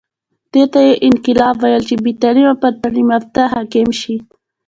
دې ته یې انقلاب ویل چې بې تعلیمه پر تعلیم یافته حاکم شي.